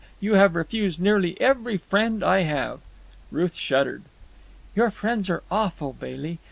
You have refused nearly every friend I have." Ruth shuddered. "Your friends are awful, Bailey.